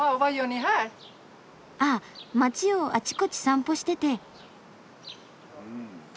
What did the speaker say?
ああ街をあちこち散歩してて。